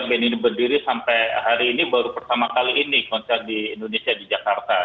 band ini berdiri sampai hari ini baru pertama kali ini konser di indonesia di jakarta